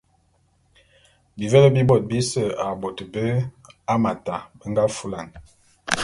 Bivele bi bôt bise a bôt bé Hamata be nga fulane.